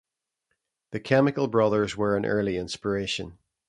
The Chemical Brothers were an early inspiration.